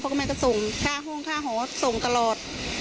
ก็แม่ก็ส่งค่าห้องค่าหอส่งตลอด